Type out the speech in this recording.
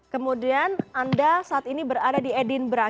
kemudian anda saat ini berada di edinburgh